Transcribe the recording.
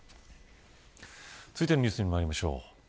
続いてのニュースにまいりましょう。